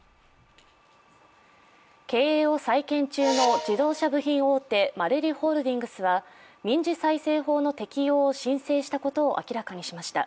経営を再建中の自動車部品大手、マレリホールディングスは民事再生法の適用を申請したことを明らかにしました。